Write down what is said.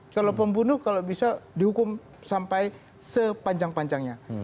kalau pembunuh kalau bisa dihukum sampai sepanjang panjangnya